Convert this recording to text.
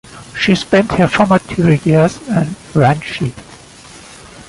She spent her formative years in Ranchi.